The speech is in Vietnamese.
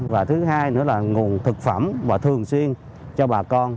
và thứ hai nữa là nguồn thực phẩm và thường xuyên cho bà con